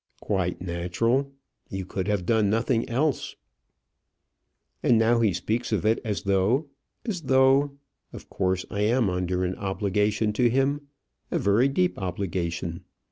"Quite natural. You could have done nothing else." "And now he speaks of it as though as though; of course I am under an obligation to him a very deep obligation.